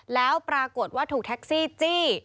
แล้วปรากฏว่าถูกแท็กซี่จี้